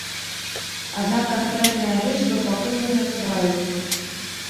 Аднак канкрэтныя лічбы пакуль не называюцца.